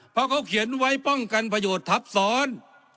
เพราะเขาเขียนไว้ป้องกันประโยชน์ทับซ้อน